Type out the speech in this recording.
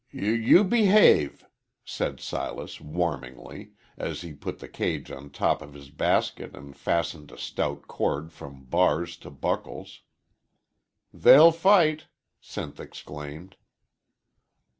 "Y you behave!" said Silas, wamingly, as he put the cage on top of his basket and fastened a stout cord from bars to buckles. "They 'll fight!" Sinth exclaimed.